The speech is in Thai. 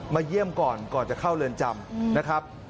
เยี่ยมก่อนก่อนจะเข้าเรือนจำนะครับ